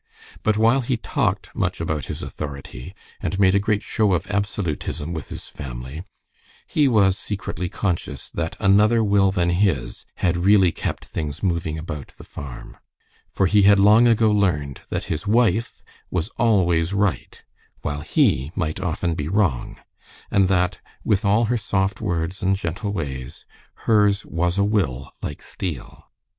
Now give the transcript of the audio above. But while he talked much about his authority, and made a great show of absolutism with his family, he was secretly conscious that another will than his had really kept things moving about the farm; for he had long ago learned that his wife was always right, while he might often be wrong, and that, withal her soft words and gentle ways, hers was a will like steel.